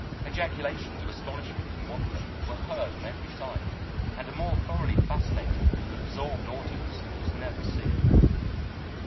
Ejaculations of astonishment and wonder were heard on every side, and a more thoroughly fascinated and absorbed audience was never seen.